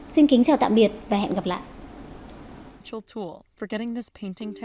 xin kính chào tạm biệt và hẹn gặp lại